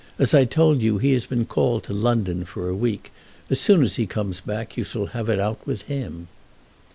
As I told you, he has been called to London for a week. As soon as he comes back you shall have it out with him."